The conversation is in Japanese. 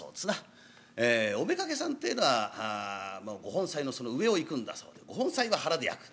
お妾さんってえのはご本妻の上をいくんだそうでご本妻は腹でやく。